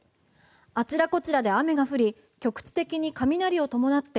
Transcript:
あちらこちらで雨が降り局地的に雷を伴って